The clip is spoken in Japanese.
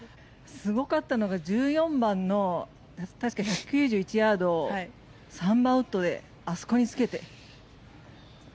すごかったのが１４番の確か１９１ヤード３番ウッドであそこにつけて。